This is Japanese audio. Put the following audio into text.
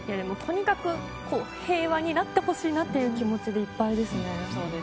とにかく平和になってほしいなという気持ちでいっぱいです。